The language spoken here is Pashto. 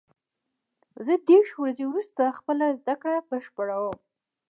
زه دېرش ورځې وروسته خپله زده کړه بشپړوم.